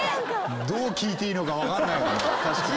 どう聞いていいのか分かんないよね。